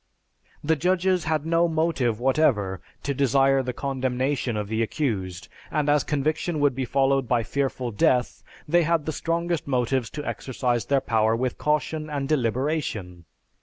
The judges had no motive whatever to desire the condemnation of the accused, and as conviction would be followed by fearful death, they had the strongest motives to exercise their power with caution and deliberation.